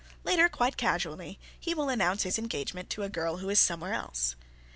Later, quite casually, he will announce his engagement to a girl who is somewhere else.